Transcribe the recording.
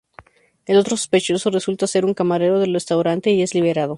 El otro sospechoso resulta ser un camarero del restaurante y es liberado.